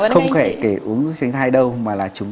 không kể uống thuốc tránh thai đâu mà là chúng ta